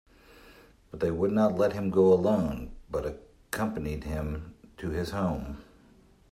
But they would not let him go alone, but accompanied him to his home.